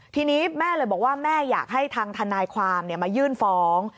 ทีนี้แม่เลยบอกว่าแม่อยากให้ทางทนายความมายื่นฟ้อง